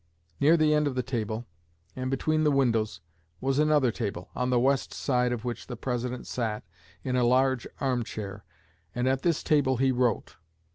Near the end of the table, and between the windows, was another table, on the west side of which the President sat in a large armchair, and at this table he wrote.